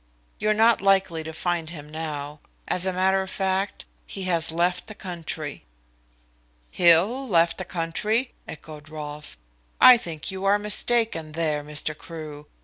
"You're not likely to find him now. As a matter of fact, he has left the country." "Hill left the country?" echoed Rolfe. "I think you are mistaken there, Mr. Crewe.